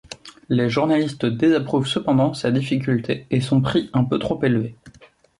Les journalistes désapprouvent cependant sa difficulté et son prix un peu trop élevé.